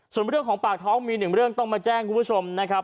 ส่วนเรื่องของปากท้องมีหนึ่งเรื่องต้องมาแจ้งคุณผู้ชมนะครับ